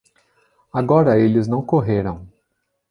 Agora eles não correram.